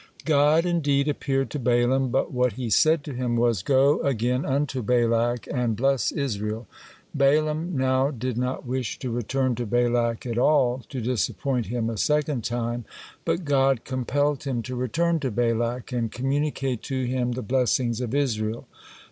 God indeed appeared to Balaam, but what He said to him was: "Go again unto Balak, and bless Israel." Balaam now did not wish to return to Balak at all, to disappoint him a second time, but God compelled him to return to Balak and communicate to him the blessings of Israel.